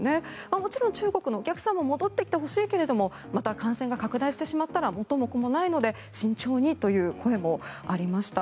もちろん中国のお客さんも戻ってきてほしいけどまた感染が拡大してしまったら元も子もないので慎重にという声もありました。